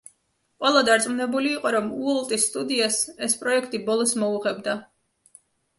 ყველა დარწმუნებული იყო, რომ უოლტის სტუდიას ეს პროექტი ბოლოს მოუღებდა.